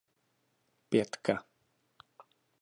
Pětka.